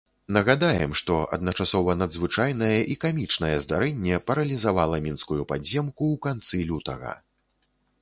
Нагадаем, што адначасова надзвычайнае і камічнае здарэнне паралізавала мінскую падземку у канцы лютага.